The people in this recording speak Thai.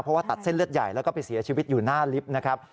เพราะว่าตัดเส้นเลือดใหญ่แล้วก็ไปเสียชีวิตอยู่หน้าลิฟต์นะครับ